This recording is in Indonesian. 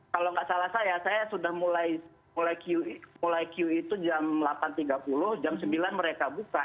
kalau nggak salah saya saya sudah mulai q itu jam delapan tiga puluh jam sembilan mereka buka